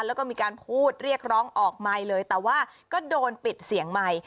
แล้วก็มีการพูดเรียกร้องออกใหม่เลยแต่ว่าก็โดนปิดเสียงใหม่